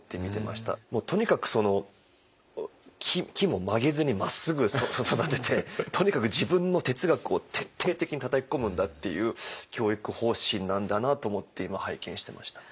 もうとにかくその木も曲げずにまっすぐ育ててとにかく自分の哲学を徹底的にたたき込むんだっていう教育方針なんだなと思って今拝見してました。